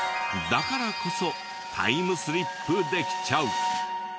だからこそタイムスリップできちゃう！